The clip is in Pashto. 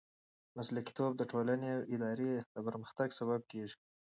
مسلکیتوب د ټولنې او ادارې د پرمختګ سبب دی.